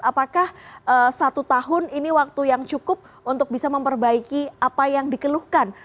apakah satu tahun ini waktu yang cukup untuk bisa memperbaiki apa yang dikeluhkan